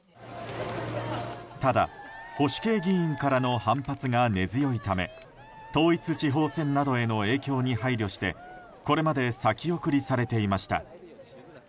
ただ、保守系議員からの反発が根強いため統一地方選などへの影響に配慮してこれまで先送りされていました。